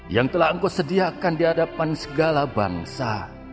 yang telah engkau sediakan di hadapan segala bangsa